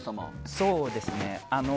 そうですね。